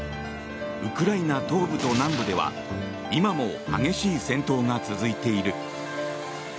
ウクライナ東部と南部では今も激しい戦闘が続いている。